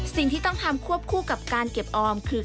สิ่งที่ต้องทำควบคู่กับการเก็บออมคือ